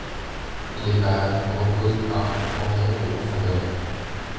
L'épave repose à environ de profondeur.